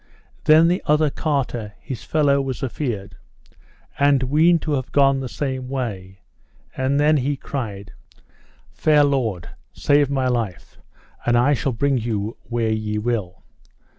Then the other carter, his fellow, was afeard, and weened to have gone the same way; and then he cried: Fair lord, save my life, and I shall bring you where ye will.